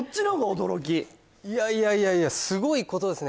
いやいやいやいやすごいことですね